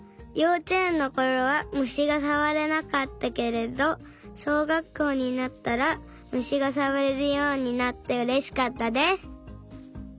ようちえんのころはむしがさわれなかったけれどしょうがっこうになったらむしがさわれるようになってうれしかったです。